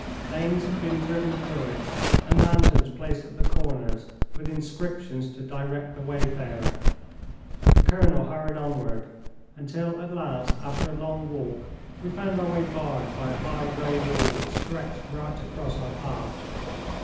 Lanes had been driven through it and lanterns placed at the corners with inscriptions to direct the wayfarer. The colonel hurried onward until at last, after a long walk, we found our way barred by a high grey wall which stretched right across our path.